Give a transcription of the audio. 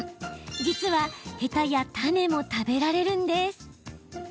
実はヘタや種も食べられるんです。